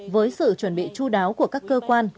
với sự chuẩn bị chú đáo của các cơ quan